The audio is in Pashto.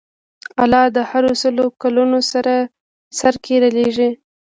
الله د هرو سلو کلونو سر کې رالېږي.